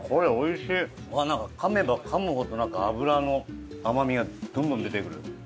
なんかかめばかむほど脂の甘みがどんどん出てくる。